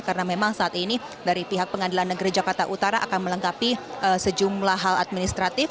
karena memang saat ini dari pihak pengadilan negeri jakarta utara akan melengkapi sejumlah hal administratif